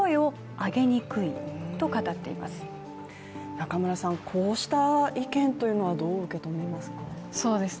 中村さん、こうした意見というのはどう受け止めますか？